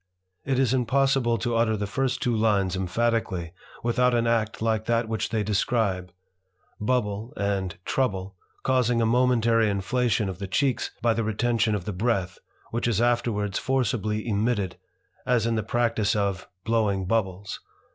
It is impos sible to utter the first two lines emphatically without an act like that which they describe; bubbk and trouble causing a momentary inflation of the cheeks by the retention of the breath, which is afterwards forcibly emitted, as in the practice of blowing bubbles.